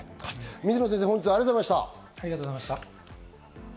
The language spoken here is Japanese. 水野先生、ありがとうございました。